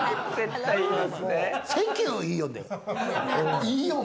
センキューいいよんで。